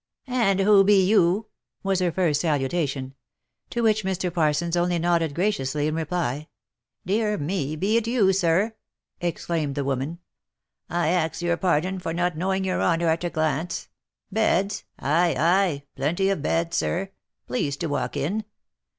" And who be you?" was her first salutation. To which Mr. Par sons only nodded graciously in reply. " Dear me! Be it you, sir?" exclaimed the woman. " I ax your pardon, for not knowing your honour at a glance. Beds? Ay, ay, plenty of beds, sir. — Please to walk in.